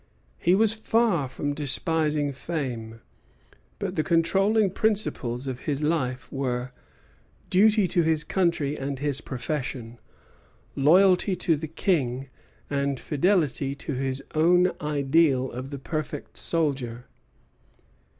He was far from despising fame; but the controlling principles of his life were duty to his country and his profession, loyalty to the King, and fidelity to his own ideal of the perfect soldier.